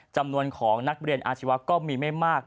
จำนวนของนักเรียนอาชีวะก็มีไม่มาก